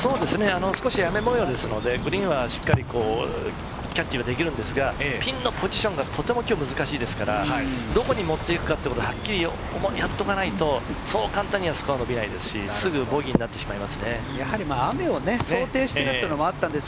雨模様ですので、グリーンはしっかりキャッチができるんですが、ピンのポジションがとても今日難しいですから、どこに持っていくかということをやっておかないと、そう簡単にはスコア伸びないですし、すぐボギーになってしまいま